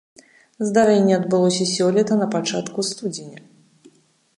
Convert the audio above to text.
Здарэнне адбылося сёлета на пачатку студзеня.